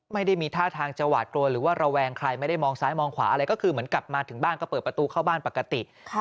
ไม่ได้มีท่าทางจะหวาดกลัวหรือว่าระแวงใครไม่ได้มองซ้ายมองขวาอะไรก็คือเหมือนกลับมาถึงบ้านก็เปิดประตูเข้าบ้านปกติ